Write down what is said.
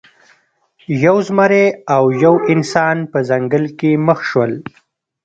یو زمری او یو انسان په ځنګل کې مخ شول.